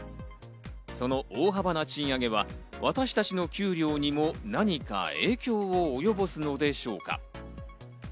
その大幅な賃上げは私たちの給料にも何か影響を及ぼすのでしょうか。